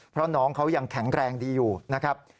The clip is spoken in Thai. เพราะน้องเขายังแข็งแรงดีอยู่นะครับ